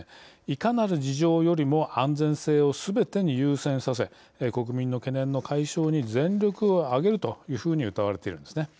いかなる事情よりも安全性をすべてに優先させ国民の懸念の解消に全力を挙げるというふうにうたわれているんですね。